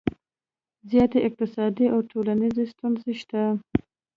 زیاتې اقتصادي او ټولنیزې ستونزې شته